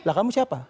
lah kamu siapa